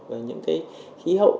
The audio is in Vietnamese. và những cái khí hậu